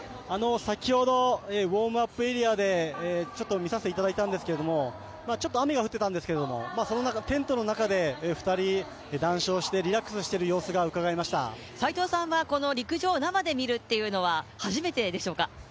先ほどウオームアップエリアで見させていただいたんですがちょっと雨が降っていたんですがテントの中で２人、談笑をしてリラックスしている様子が斎藤さんは陸上、生で見るっていうのは初めてでしょうか？